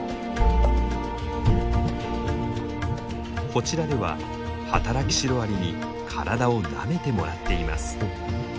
こちらでは働きシロアリに体をなめてもらっています。